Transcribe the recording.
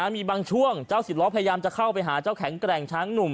มีบางช่วงเจ้าสิบล้อพยายามจะเข้าไปหาเจ้าแข็งแกร่งช้างหนุ่ม